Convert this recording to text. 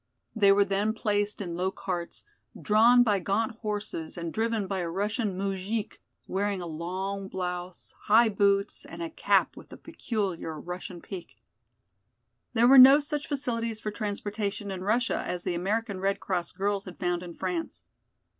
They were then placed in low carts, drawn by gaunt horses and driven by a Russian moujik, wearing a long blouse, high boots and a cap with the peculiar Russian peak. There were no such facilities for transportation in Russia as the American Red Cross girls had found in France.